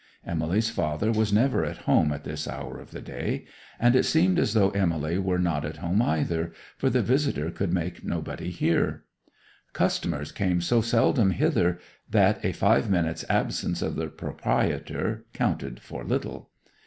Emily's father was never at home at this hour of the day, and it seemed as though Emily were not at home either, for the visitor could make nobody hear. Customers came so seldom hither that a five minutes' absence of the proprietor counted for little.